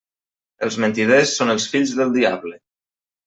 Els mentiders són els fills del diable.